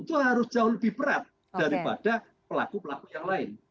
itu harus jauh lebih berat daripada pelaku pelaku yang lain